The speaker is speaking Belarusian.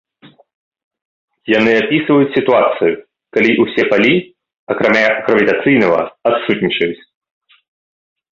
Яны апісваюць сітуацыю, калі ўсе палі, акрамя гравітацыйнага, адсутнічаюць.